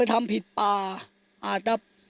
ทราบปล่าอาจจะ